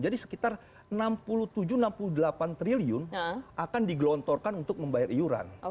jadi sekitar enam puluh tujuh enam puluh delapan triliun akan digelontorkan untuk membayar iuran